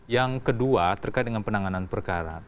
yang kedua terkait dengan penanganan perkara